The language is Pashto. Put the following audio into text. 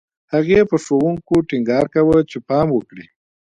هغې په ښوونکو ټینګار کاوه چې پام وکړي